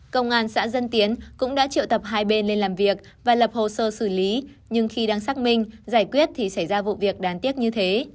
công an xã dân tiến cũng đã triệu tập hai bên lên làm việc và lập hồ sơ xử lý nhưng khi đang xác minh giải quyết thì xảy ra vụ việc đáng tiếc như thế